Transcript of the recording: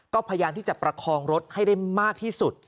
ก็พยายามที่จะประคองรถให้ได้มากที่สุด